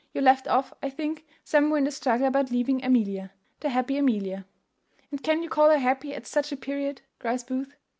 You left off, I think, somewhere in the struggle about leaving Amelia the happy Amelia." "And can you call her happy at such a period?" cries Booth.